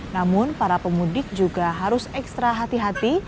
namun para pemudik juga harus ekstra hati hati